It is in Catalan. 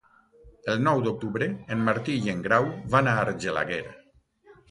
El nou d'octubre en Martí i en Grau van a Argelaguer.